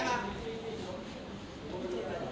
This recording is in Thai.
สวัสดีครับคุณผู้ชม